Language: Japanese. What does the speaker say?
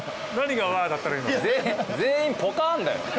全員ポカンだよ。